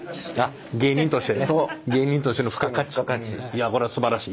いやこれはすばらしい。